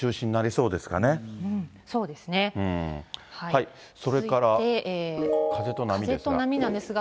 それから、風と波ですか。